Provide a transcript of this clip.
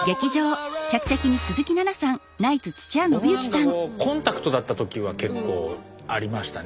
僕なんかコンタクトだった時は結構ありましたね。